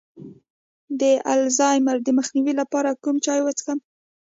د الزایمر د مخنیوي لپاره کوم چای وڅښم؟